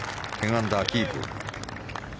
１０アンダーキープ。